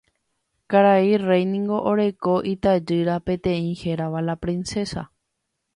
Karai rey niko oreko itajýra peteĩ hérava la Princesa.